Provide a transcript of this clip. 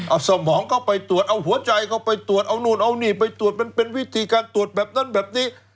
เอาสมองเข้าไปตรวจเอาหัวใจเข้าไปตรวจเอานู่นเอานี่ไปตรวจมันเป็นวิธีการตรวจแบบนั้นแบบนี้